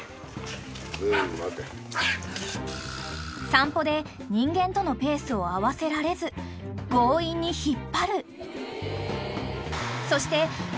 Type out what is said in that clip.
［散歩で人間とのペースを合わせられず強引に引っ張る］